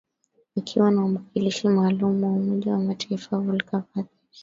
akiwa na mwakilishi maalum wa umoja wa mataifa Volker Perthes